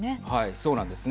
そうなんですね。